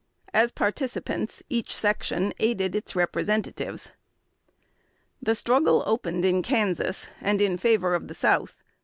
As participants, each section aided its representatives. The struggle opened in Kansas, and in favor of the South.